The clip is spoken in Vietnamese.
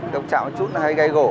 đồng chạm chút là hay gây gỗ